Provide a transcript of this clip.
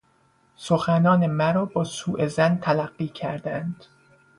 سخنان مرا با سو ظن تلقی کردند.